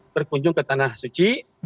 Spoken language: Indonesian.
berkunjung ke tanah suci